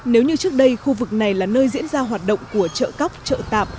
nếu như trước đây khu vực này là nơi diễn ra hoạt động của chợ cóc chợ tạp